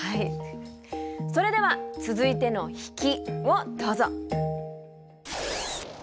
それでは続いての引きをどうぞ。